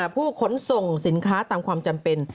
ผู้ขนส่งสินค้าตามความจำเป็น